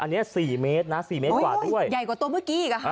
อันนี้สี่เมตรนะสี่เมตรกว่าด้วยใหญ่กว่าตัวเมื่อกี้อีกอ่ะค่ะ